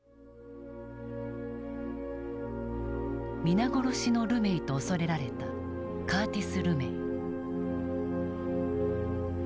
皆殺しのルメイと恐れられたカーティス・ルメイ。